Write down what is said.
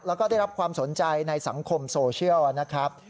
แล้วก็ได้รับความสนใจในสังคมโซเชียลนะครับ